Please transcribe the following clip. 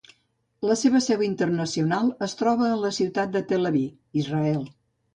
La seva seu internacional es troba en la ciutat de Tel Aviv, Israel.